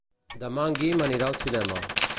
Demà en Guim anirà al cinema.